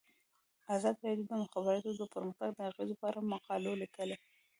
ازادي راډیو د د مخابراتو پرمختګ د اغیزو په اړه مقالو لیکلي.